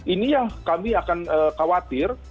ini yang kami akan khawatir